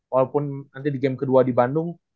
walaupun nanti di game kedua di bandung